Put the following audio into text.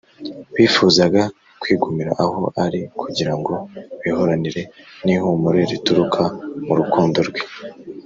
bifuzaga kwigumira aho ari kugira ngo bihoranire n’ihumure rituruka mu rukundo rwe